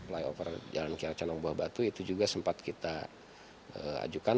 layang oper jalan kira condong dan buah batu itu juga sempat kita ajukan